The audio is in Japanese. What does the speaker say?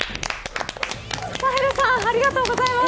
サヘルさんありがとうございます。